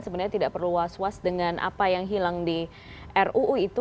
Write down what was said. sebenarnya tidak perlu was was dengan apa yang hilang di ruu itu